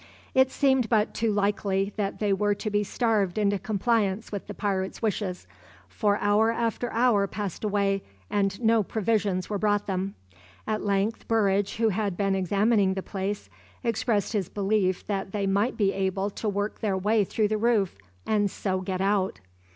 It seemed but too likely that they were to be starved into compliance with the pirates' wishes, for hour after hour passed away and no provisions were brought them. At length Burridge, who had been examining the place, expressed his belief that they might be able to work their way through the roof, and so get out.